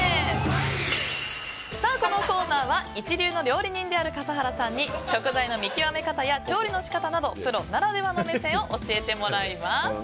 このコーナーは一流の料理人である笠原さんに食材の見極め方や調理の仕方などプロならではの目線を教えてもらいます。